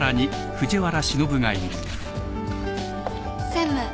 専務。